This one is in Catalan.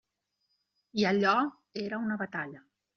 I allò era una batalla.